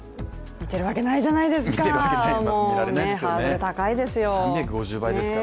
見てるわけないじゃないですか、ハードル高いですよ。